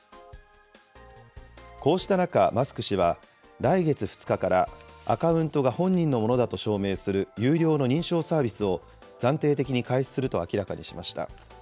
こうした中、マスク氏は、来月２日から、アカウントが本人のものだと証明する有料の認証サービスを、暫定的に開始すると明らかにしました。